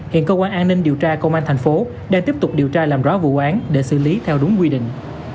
hiện cơ quan an ninh điều tra công an thành phố đang tiếp tục điều tra làm rõ vụ án để xử lý theo đúng quy định